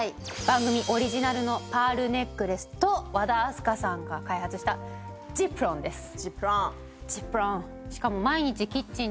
番組オリジナルのパールネックレスと和田明日香さんが開発したｚｉｐｒｏｎです。